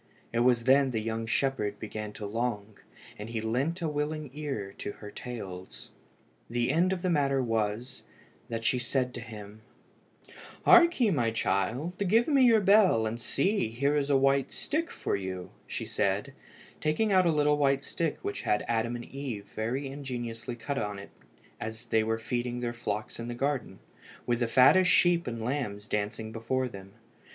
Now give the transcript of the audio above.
It was then the young shepherd began to long, and he lent a willing ear to her tales. The end of the matter was, that she said to him "Hark ye, my child, give me your bell; and see, here is a white stick for you," said she, taking out a little white stick which had Adam and Eve very ingeniously cut upon it as they were feeding their flocks in the Garden, with the fattest sheep and lambs dancing before them.